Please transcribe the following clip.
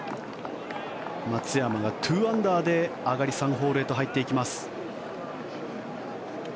松山が２アンダーで上がり３ホールへと入っていきます。